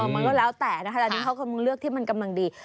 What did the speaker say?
มันก็แล้วแต่นะคะตอนนี้เขากำลังเลือกที่มันกำลังดี